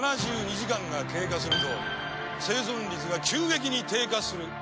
７２時間が経過すると生存率が急激に低下する。